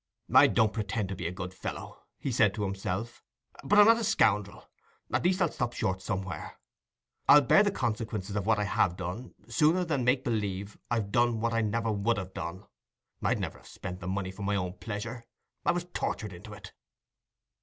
"I don't pretend to be a good fellow," he said to himself; "but I'm not a scoundrel—at least, I'll stop short somewhere. I'll bear the consequences of what I have done sooner than make believe I've done what I never would have done. I'd never have spent the money for my own pleasure—I was tortured into it."